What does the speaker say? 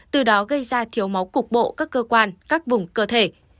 từ đó gây ra thiếu máu cục bộ các cơ quan các vùng cơ thể